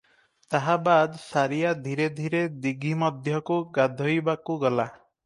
ତାହାବାଦ୍ ସାରିଆ ଧୀରେ ଧୀରେ ଦୀଘି ମଧ୍ୟକୁ ଗାଧୋଇବାକୁ ଗଲା ।